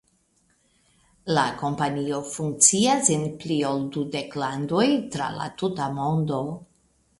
La kompanio funkcias en pli ol dudek landoj tra la tuta mondo.